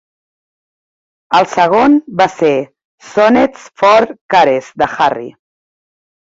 El segon va ser "Sonnets for Caresse" de Harry.